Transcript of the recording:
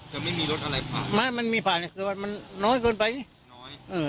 จะไม่มีรถอะไรผ่านไม่มันมีผ่าน